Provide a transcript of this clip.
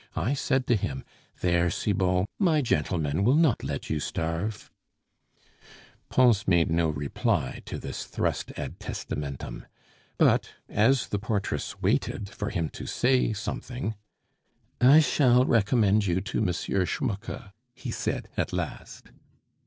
I said to him, 'There, Cibot! my gentlemen will not let you starve '" Pons made no reply to this thrust ad testamentum; but as the portress waited for him to say something "I shall recommend you to M. Schmucke," he said at last.